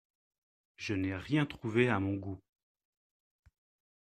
Je n'ai rien trouvé à mon goût.